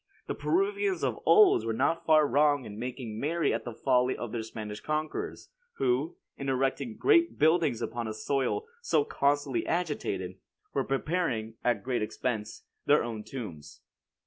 The Peruvians of old were not far wrong in making merry at the folly of their Spanish conquerors, who, in erecting great buildings upon a soil so constantly agitated, were preparing, at great expense, their own tombs."